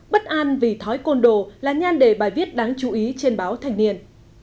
bất an vì thói côn đồ là nhan đề bài viết đáng chú ý trên báo thành niên